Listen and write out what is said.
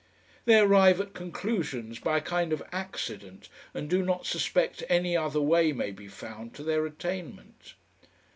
They arrive at conclusions by a kind of accident, and do not suspect any other way may be found to their attainment.